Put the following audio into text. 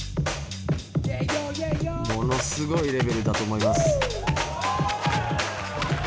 ものすごいレベルだと思います。